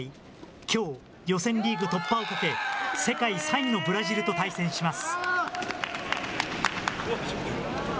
きょう、予選リーグ突破をかけ、世界３位のブラジルと対戦します。